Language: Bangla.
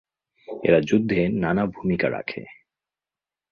এরা যুদ্ধে নানা ভুমিকা রাখে।